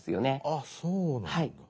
あっそうなんだ。